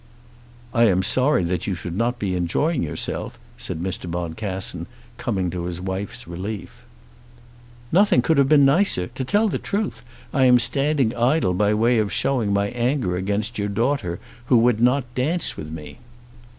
"I am sorry that you should not be enjoying yourself," said Mr. Boncassen, coming to his wife's relief. "Nothing could have been nicer. To tell the truth, I am standing idle by way of showing my anger against your daughter, who would not dance with me."